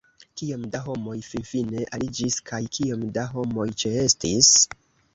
Kiom da homoj finfine aliĝis, kaj kiom da homoj ĉeestis?